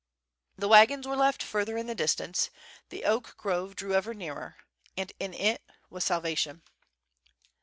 The wagons were left further in the distance, the oak grove drew ever nearer, and in it was salvation.